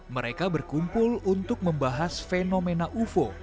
mereka berkumpul untuk membahas fenomena ufo